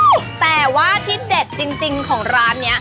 แต่ว่าที่เด็ดจริงของร้านนี้